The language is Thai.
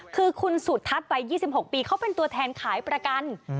คือคุณสุทัศน์วัย๒๖ปีเขาเป็นตัวแทนขายประกัน